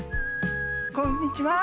こんにちは。